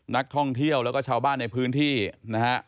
นักท่องเที่ยวแล้วก็ชาวบ้านในพื้นที่นะฮะ